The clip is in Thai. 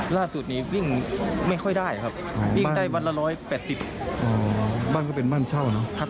ล่าสุดนี้วิ่งไม่ค่อยได้ครับวิ่งได้วันละ๑๘๐บ้านก็เป็นบ้านเช่าเนอะ